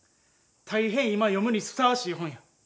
大変今読むにふさわしい本や。